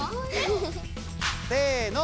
せの！